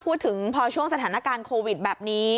พูดถึงพอช่วงสถานการณ์โควิดแบบนี้